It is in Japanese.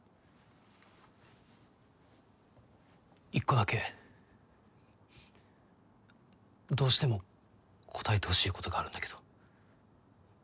１個だけどうしても答えてほしいことがあるんだけど。